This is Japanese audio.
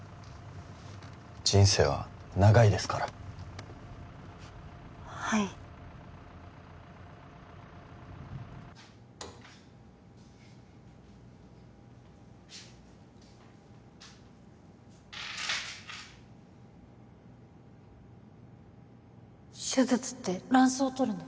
人生は長いですからはい手術って卵巣とるの？